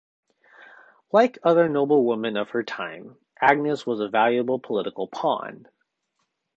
Like other noble women of her time, Agnes was a valuable political pawn.